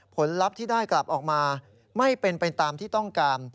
ลัพธ์ที่ได้กลับออกมาไม่เป็นไปตามที่ต้องการ